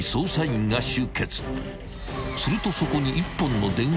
［するとそこに］